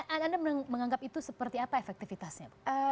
anda menganggap itu seperti apa efektivitasnya